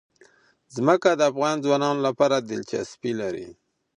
ځمکه د افغان ځوانانو لپاره دلچسپي لري.